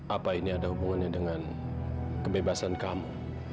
apa ini ada hubungannya dengan kebebasan kamu